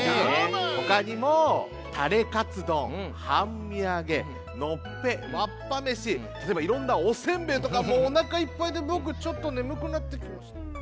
ほかにもタレかつどんはんみあげのっぺわっぱめしたとえばいろんなおせんべいとかもうおなかいっぱいでぼくちょっとねむくなってきました。